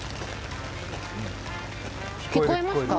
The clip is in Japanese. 聞こえますか？